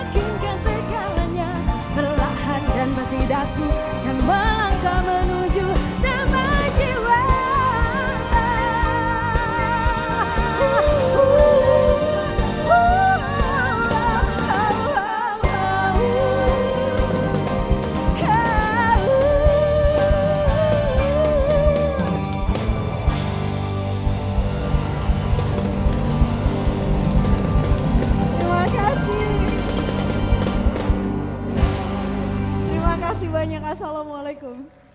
terima kasih banyak assalamualaikum